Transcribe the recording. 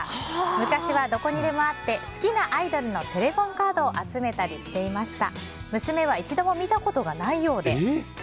昔はどこにでもあって好きなアイドルのテレフォンカードを集めたりしていました。